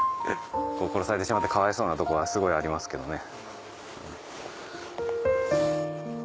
殺されてしまってかわいそうなとこはすごいありますけどね。